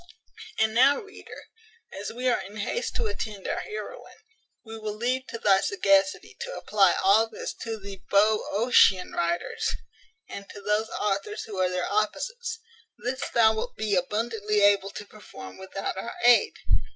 And now, reader, as we are in haste to attend our heroine, we will leave to thy sagacity to apply all this to the Boeotian writers, and to those authors who are their opposites. This thou wilt be abundantly able to perform without our aid.